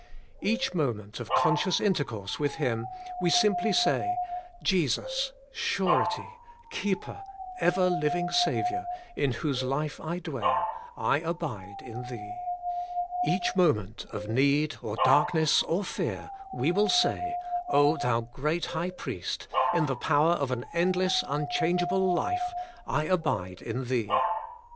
Each moment of conscious intercourse with Him we simply say, 'Jesus, surety, keeper, ever living Saviour, in whose life I dwell, I abide in Thee.' Each moment of need, or darkness, or fear, we will say, '0 thou great High Priest, in the power of an endless, un changeable life, I abide in Thee.'